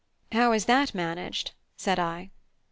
"How is that managed?" said I.